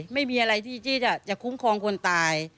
ไม่มีอะไรที่จะคุ้มครองคนตาย